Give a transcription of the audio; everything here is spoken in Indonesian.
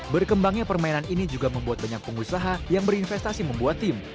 berkembangnya permainan ini juga membuat banyak pengusaha yang berinvestasi membuat tim